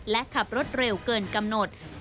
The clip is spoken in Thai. และขับรถเร็วเกินกำหนด